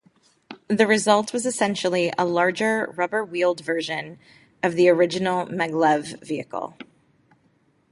The result was essentially a larger, rubber-wheeled version of the original maglev vehicle.